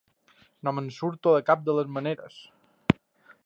No me'n surto de cap de les maneres.